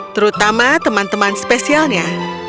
terutama teman teman spesialnya